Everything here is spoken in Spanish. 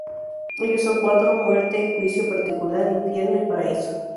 Ellos son cuatro: muerte, juicio particular, infierno y paraíso.